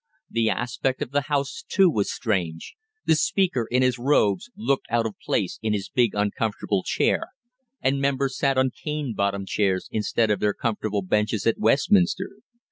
The aspect of the House, too, was strange; the Speaker in his robes looked out of place in his big uncomfortable chair, and members sat on cane bottomed chairs instead of their comfortable benches at Westminster.